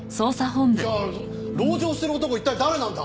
じゃあ籠城してる男は一体誰なんだ？